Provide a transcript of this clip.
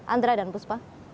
andra dan buspa